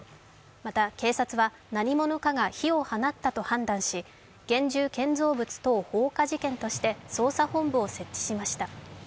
また、警察は何者かが火を放ったと判断し、現住建造物等放火事件として捜査本部を設置しました。